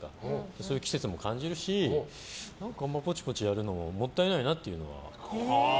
それで季節も感じるしポチポチやるのはもったいないなというのは。